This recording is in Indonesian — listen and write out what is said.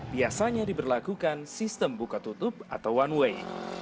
biasanya diberlakukan sistem buka tutup atau one way